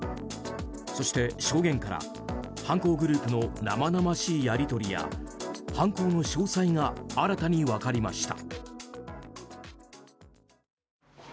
そして、証言から犯行グループの生々しいやり取りや犯行の詳細が新たに分かりました。